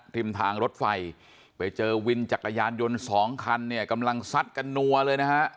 ริมทางรถไฟไปเจอวินจักรยานยนต์สองคันเนี่ยกำลังซัดกันนัวเลยนะฮะ